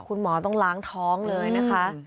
คุณหมอต้องล้างท้องเลยนะคะ